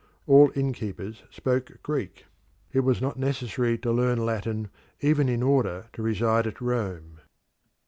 All inn keepers spoke Greek: it was not necessary to learn Latin even in order to reside at Rome.